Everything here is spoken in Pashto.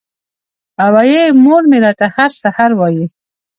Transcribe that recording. وې ئې مور مې راته هر سحر وائي ـ